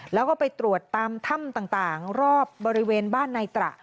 แล้วก็ไปตรวจตามถ้ำต่างรอบบริเวณบ้านนายตระ